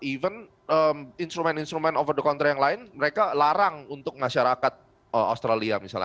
even instrumen instrumen over the counter yang lain mereka larang untuk masyarakat australia misalnya